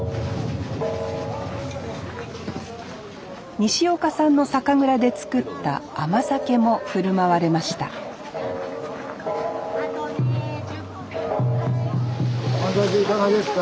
西岡さんの酒蔵で造った甘酒も振る舞われました甘酒いかがですか？